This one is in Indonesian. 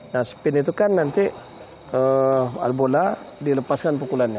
nah spin itu kan nanti albola dilepaskan pukulannya